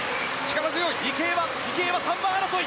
池江は３番争い。